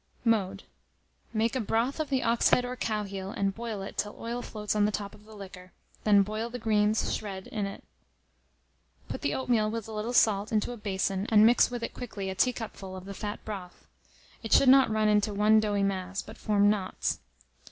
Mode. Make a broth of the ox head or cow heel, and boil it till oil floats on the top of the liquor, then boil the greens, shred, in it. Put the oatmeal, with a little salt, into a basin, and mix with it quickly a teacupful of the fat broth: it should not run into one doughy mass, but form knots.